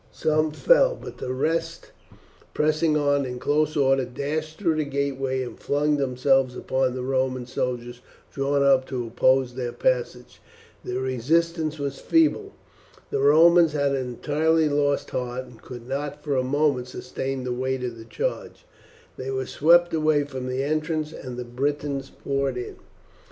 Some fell, but the rest, pressing on in close order, dashed through the gateway and flung themselves upon the Roman soldiers drawn up to oppose their passage. The resistance was feeble. The Romans had entirely lost heart and could not for a moment sustain the weight of the charge. They were swept away from the entrance, and the Britons poured in.